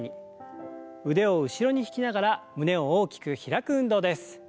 腕を後ろに引きながら胸を大きく開く運動です。